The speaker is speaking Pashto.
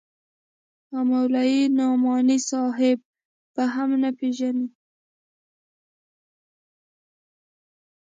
او مولوي نعماني صاحب به هم نه پېژنې.